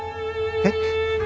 えっ？